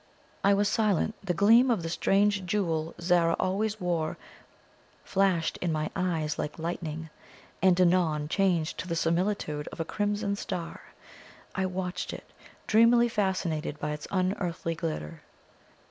I was silent. The gleam of the strange jewel Zara always wore flashed in my eyes like lightning, and anon changed to the similitude of a crimson star. I watched it, dreamily fascinated by its unearthly glitter.